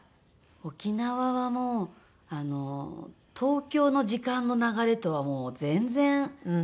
沖縄はもうあの東京の時間の流れとはもう全然違うので。